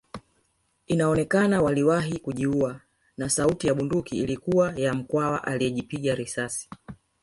Inaonekana waliwahi kujiua na sauti ya bunduki ilikuwa ya Mkwawa aliyejipiga risasi